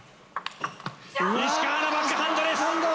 石川のバックハンドです。